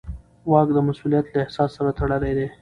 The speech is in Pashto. واک د مسوولیت له احساس سره تړلی دی.